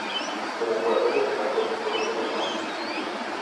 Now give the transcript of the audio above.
Como jugador destacó su juego por las bandas.